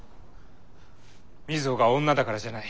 瑞穂が女だからじゃない。